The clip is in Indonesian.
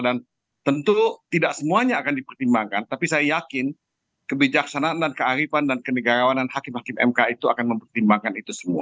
dan tentu tidak semuanya akan dipertimbangkan tapi saya yakin kebijaksanaan dan kearifan dan kenegarawanan hakim hakim mk itu akan mengembangkan